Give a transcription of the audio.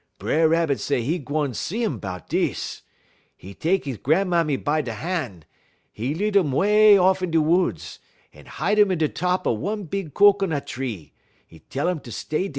"B'er Rabbit say 'e gwan see 'im 'bout dis. 'E tek 'e gran'mammy by da han'; 'e lead um way off in da woods; 'e hide um in da top one big cocoanut tree: 'e tell um fer stay deer."